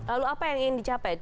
lalu apa yang ingin dicapai